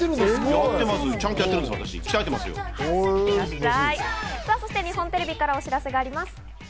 日本テレビからお知らせがあります。